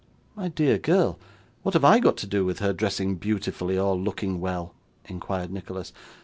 'My dear girl, what have I got to do with her dressing beautifully or looking well?' inquired Nicholas.